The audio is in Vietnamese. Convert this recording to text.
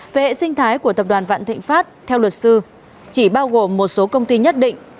về hệ sinh thái của tập đoàn vạn thịnh pháp theo luật sư chỉ bao gồm một số công ty nhất định